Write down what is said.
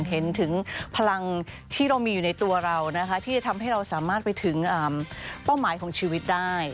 เห็นถึงพลังที่เรามีอยู่ในตัวเรานะคะที่จะทำให้เราสามารถไปถึงเป้าหมายของชีวิตได้